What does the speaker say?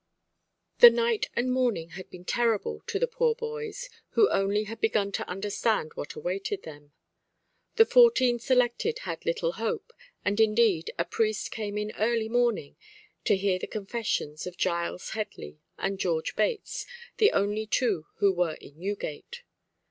The night and morning had been terrible to the poor boys, who only had begun to understand what awaited them. The fourteen selected had little hope, and indeed a priest came in early morning to hear the confessions of Giles Headley and George Bates, the only two who were in Newgate.